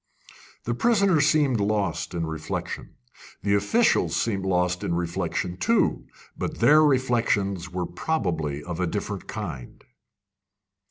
The prisoner seemed lost in reflection. The officials seemed lost in reflection too; but their reflections were probably of a different kind.